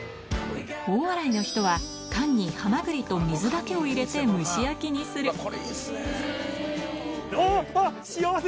大洗の人は、缶にハマグリと水だけを入れて、蒸し焼きにする。